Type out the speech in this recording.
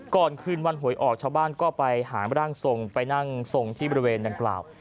ก่อนคืนวันหวยออกชาวบ้านก็ไปหาร่างทรงไปนั่งทรงที่บริเวณดังกล่าว